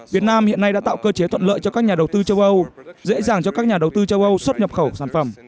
việt nam hiện nay đã tạo cơ chế thuận lợi cho các nhà đầu tư châu âu dễ dàng cho các nhà đầu tư châu âu xuất nhập khẩu sản phẩm